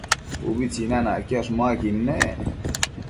Ubi tsinanacquiash muaquid nec